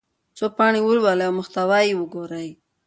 څو پاڼې ولولئ او محتوا یې وګورئ.